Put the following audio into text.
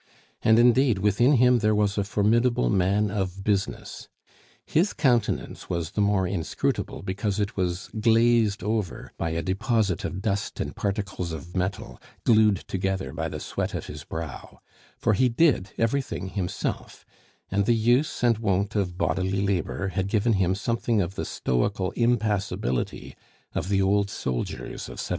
And, indeed, within him there was a formidable man of business. His countenance was the more inscrutable because it was glazed over by a deposit of dust and particles of metal glued together by the sweat of his brow; for he did everything himself, and the use and wont of bodily labor had given him something of the stoical impassibility of the old soldiers of 1799.